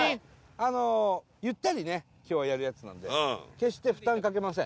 あのゆったりね今日はやるやつなんで決して負担かけません